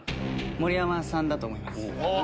盛山さんだと思います。